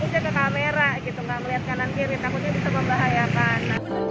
tidak melihat kanan kiri takutnya bisa membahayakan